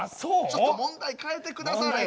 ちょっと問題変えて下され。